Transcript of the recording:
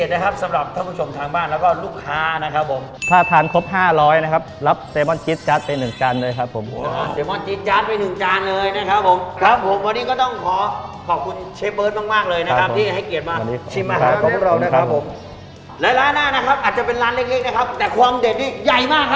อาจจะเป็นร้านเล็กนะครับแต่ความเด็ดที่ใหญ่มากครับทุกคนชมครับไปกันเลย